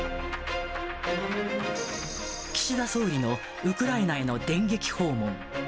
岸田総理のウクライナへの電撃訪問。